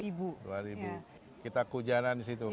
pembicara dua puluh kita ke hujanan di situ kan